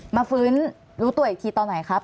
มาฟื้นรู้ตัวอีกทีตอนไหนครับ